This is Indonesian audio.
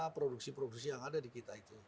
produksi produksi yang ada di kita itu